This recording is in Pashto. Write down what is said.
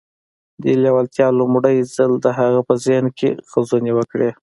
دې لېوالتیا لومړی ځل د هغه په ذهن کې غځونې وکړې.